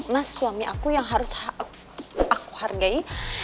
mas suami aku yang harus aku hargai